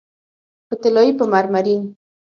په طلایې، په مرمرین